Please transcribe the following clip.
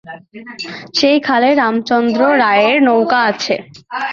সেই খালে রামচন্দ্র রায়ের নৌকা আছে।